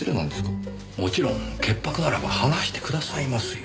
もちろん潔白ならば話してくださいますよ。